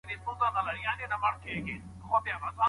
ولي محنتي ځوان د لوستي کس په پرتله ډېر مخکي ځي؟